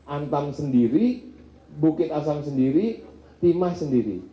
antam sendiri bukit asam sendiri timah sendiri